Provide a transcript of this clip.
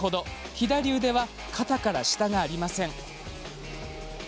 左腕は肩から下がありません。